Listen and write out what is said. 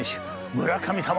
村神様